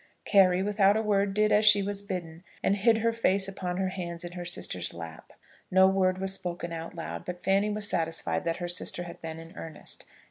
Carry, without a word, did as she was bidden, and hid her face upon her hands in her sister's lap. No word was spoken out loud, but Fanny was satisfied that her sister had been in earnest.